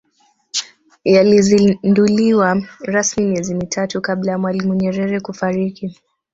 yalizinduliwa rasmi miezi mitatu kabla ya mwalimu nyerere kufariki